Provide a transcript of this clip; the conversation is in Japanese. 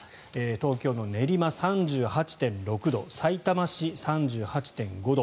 東京の練馬、３８．６度さいたま市、３８．５度